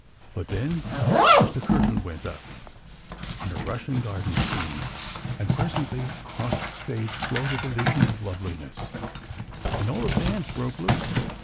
But then the curtain went up ... on a Russian garden scene, and presently, across the stage, floated a vision of loveliness, and all the fans broke loose.